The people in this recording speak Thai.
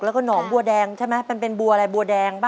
แล้วก็หนองบัวแดงใช่ไหมมันเป็นบัวอะไรบัวแดงป่